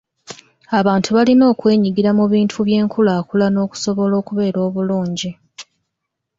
Abantu balina okwenyigira mu bintu by'enkulaakulana okusobola okubeera obulungi.